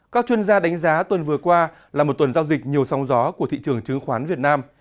các chuyên gia đánh giá tuần vừa qua là một tuần giao dịch nhiều song gió của thị trường chứng khoán việt nam